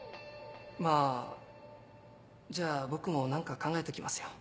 まぁじゃあ僕も何か考えときますよ。